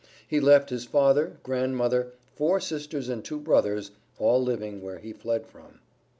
He left his father, grand mother, four sisters and two brothers, all living where he fled from.